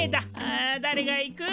あだれが行く？